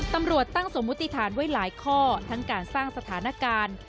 ตำรวจตั้งสมมติฐานไว้หลายข้อทั้งการสร้างสถานการณ์